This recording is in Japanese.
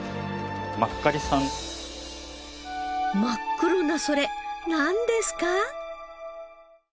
真っ黒なそれなんですか？